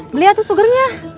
beli atuh sugernya